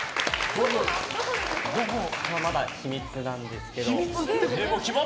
まだ秘密なんですけど。